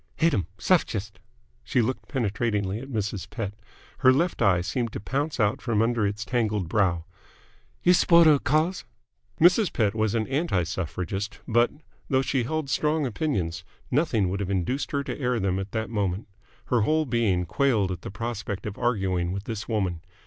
"Hate 'em! Suff gist!" She looked penetratingly at Mrs. Pett. Her left eye seemed to pounce out from under its tangled brow. "You S'porter of th' Cause?" Mrs. Pett was an anti Suffragist, but, though she held strong opinions, nothing would have induced her to air them at that moment. Her whole being quailed at the prospect of arguing with this woman.